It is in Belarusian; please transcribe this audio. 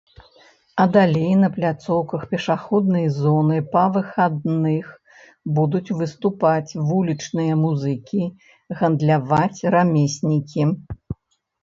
А далей на пляцоўках пешаходнай зоны па выхадных будуць выступаць вулічныя музыкі, гандляваць рамеснікі.